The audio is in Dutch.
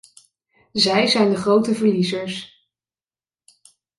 Zij zijn de grote verliezers.